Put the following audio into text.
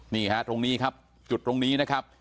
นี่ฮะตรงนี้ครับจุดตรงนี้นะครับ